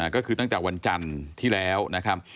ก็คือตั้งแต่วันจันทร์ที่แล้วนะครับ